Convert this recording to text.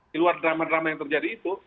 di luar drama drama yang terjadi itu